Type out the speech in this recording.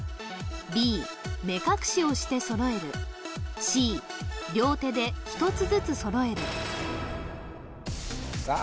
Ｂ目隠しをして揃えるＣ両手で１つずつ揃えるさあ